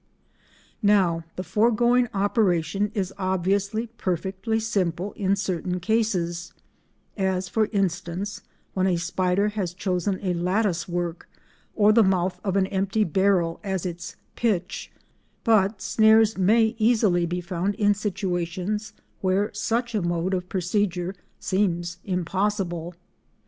Now the foregoing operation is obviously perfectly simple in certain cases, as, for instance when a spider has chosen lattice work, or the mouth of an empty barrel as its "pitch," but snares may easily be found in situations where such a mode of procedure seems impossible.